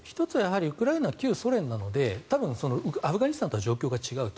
ウクライナは旧ソ連なので多分、アフガニスタンとは状況が違うと。